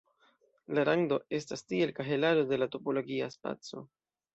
La rando estas tiel kahelaro de la topologia spaco.